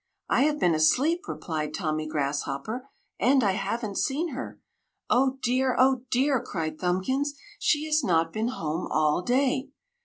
"I have been asleep," replied Tommy Grasshopper, "And I haven't seen her!" "Oh dear! Oh dear!" cried Thumbkins. "She has not been home all day!"